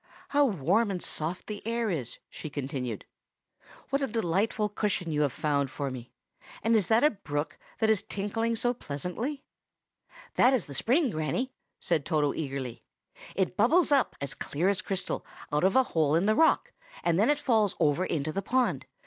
How warm and soft the air is!" she continued. "What a delightful cushion you have found for me! and is that a brook, that is tinkling so pleasantly?" "That is the spring, Granny!" said Toto eagerly. "It bubbles up, as clear as crystal, out of a hole in the rock, and then it falls over into the pool.